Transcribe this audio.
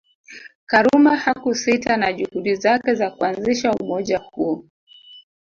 Karume hakusita na juhudi zake za kuanzisha umoja huo